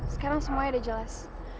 sekarang semuanya udah jelas